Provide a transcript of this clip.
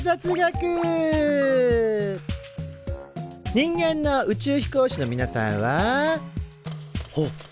人間の宇宙飛行士のみなさんはほっ